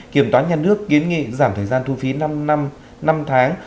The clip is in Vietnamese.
kiểm toán nhân nước kiến nghị giảm thời gian thu phí năm tháng